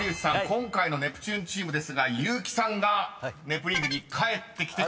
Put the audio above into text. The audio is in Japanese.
今回のネプチューンチームですが結木さんが『ネプリーグ』に帰ってきてくれました］